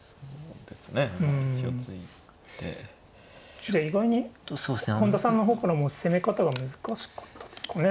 じゃあ意外に本田さんの方からも攻め方が難しかったですかね。